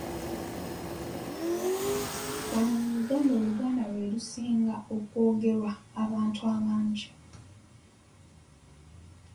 Wano mu Uganda Oluganda lwe lusinga okwogerwa abantu abangi.